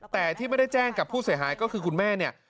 แต่ที่ไม่ได้แจ้งกับผู้เสียหายก็คือคุณแม่เนี่ย